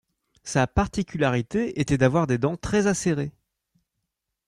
Sa particularité était d'avoir des dents très acérées.